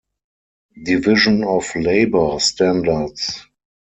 Division of Labor Standards".